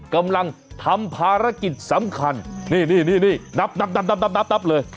กำลังทำภารกิจสำคัญนี่นี่นับเลย